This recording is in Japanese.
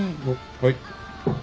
はい。